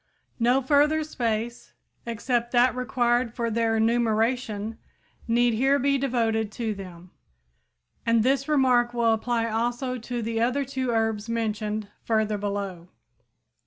No further space except that required for their enumeration need here be devoted to them. And this remark will apply also to the other two herbs mentioned further below.